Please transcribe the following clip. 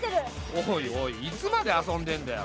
おいおいいつまで遊んでんだよ。